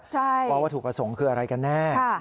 ว่าวัตถุประสงค์คืออะไรกันแน่